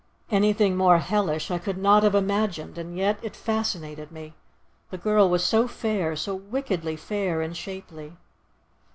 Anything more hellish I could not have imagined, and yet it fascinated me—the girl was so fair, so wickedly fair and shapely.